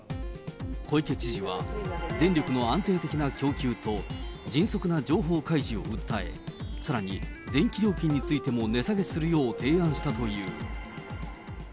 小池知事は、電力の安定的な供給と迅速な情報開示を訴え、さらに電気料金についても値下げするよう提案したという。